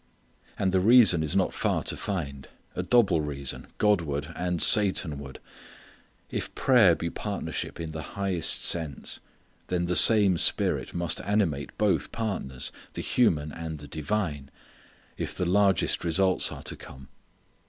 And the reason is not far to find; a double reason, Godward and Satanward. If prayer be partnership in the highest sense then the same spirit must animate both partners, the human and the divine, if the largest results are to come.